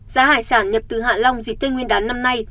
giá hải sản nhập từ hạ long dịp tết nguyên đán năm nay